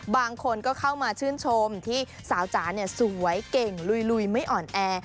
บางคนก็เข้ามาชื่นชมที่สาวจ๋าสวยเก่งลุยไม่อ่อนแอ